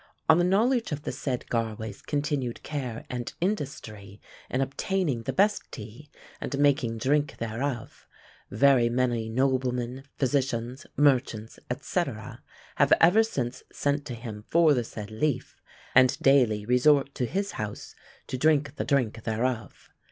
On the knowledge of the said Garway's continued care and industry in obtaining the best tea, and making drink thereof, very many noblemen, physicians, merchants, &c., have ever since sent to him for the said leaf, and daily resort to his house to drink the drink thereof.